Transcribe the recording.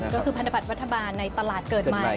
ก็คือพันธบัตรรัฐบาลในตลาดเกิดใหม่